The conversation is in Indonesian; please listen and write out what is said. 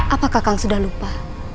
apakah kakang sudah lupa